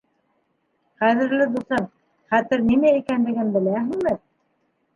Ҡәҙерле дуҫым, Хәтер нимә икәнлеген беләһеңме?